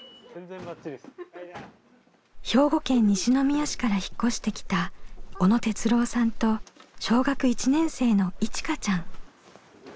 兵庫県西宮市から引っ越してきた小野哲郎さんと小学１年生のいちかちゃん。